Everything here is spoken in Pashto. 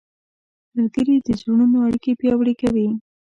ملګري د زړونو اړیکې پیاوړې کوي.